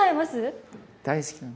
大好きなの。